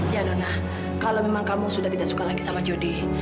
ya dona kalau memang kamu sudah tidak suka lagi sama jody